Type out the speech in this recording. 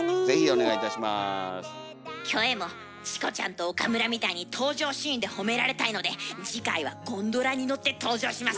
キョエもチコちゃんと岡村みたいに登場シーンで褒められたいので次回はゴンドラに乗って登場します。